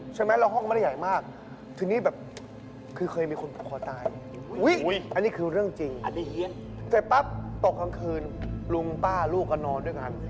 จากที่เสร็จปั๊บตกตอนคืนลุงป้าลูกก็นอนด้วยกัน